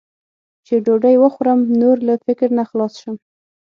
چې ډوډۍ وخورم، نور له فکر نه خلاص شم.